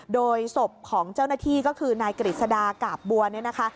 โดยศพของเจ้าหน้าที่ก็คือนายกฤษดากาบบัวเนี่ยนะคะ